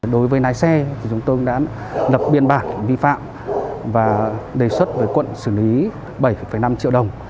đối với lái xe thì chúng tôi đã lập biên bản vi phạm và đề xuất với quận xử lý bảy năm triệu đồng